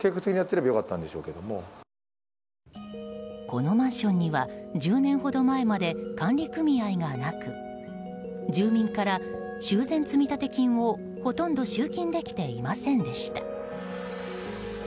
このマンションには１０年ほど前まで管理組合がなく住民から修繕積立金をほとんど集金できていませんでした。